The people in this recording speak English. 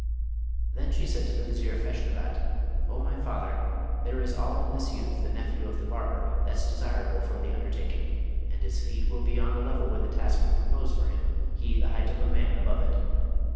Then she said to the Vizier Feshnavat, 'O my father, there is all in this youth, the nephew of the barber, that's desirable for the undertaking; and his feet will be on a level with the task we propose for him, he the height of man above it.